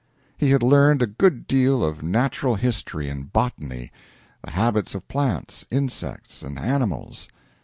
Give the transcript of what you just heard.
He had learned a good deal of natural history and botany the habits of plants, insects, and animals.